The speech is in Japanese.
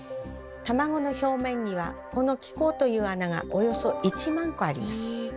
卵の表面にはこの気孔という穴がおよそ１万個あります。